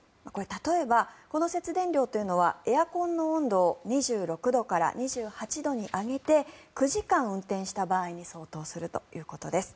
例えば、この節電量というのはエアコンの温度を２６度から２８度に上げて９時間運転した場合に相当するということです。